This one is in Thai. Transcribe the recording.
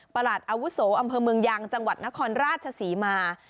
หลัดอาวุโสอำเภอเมืองยางจังหวัดนครราชศรีมา